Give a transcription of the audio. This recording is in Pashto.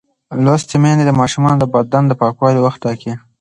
لوستې میندې د ماشومانو د بدن پاکولو وخت ټاکي.